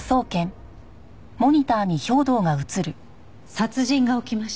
殺人が起きました。